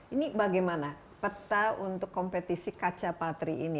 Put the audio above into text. ini bagaimana peta untuk kompetisi kaca patri ini